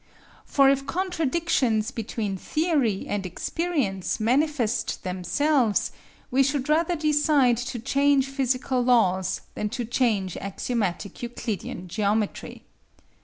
For if contradictions between theory and experience manifest themselves, we should rather decide to change physical laws than to change axiomatic Euclidean geometry.